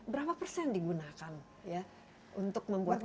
berapa persen digunakan ya untuk membuat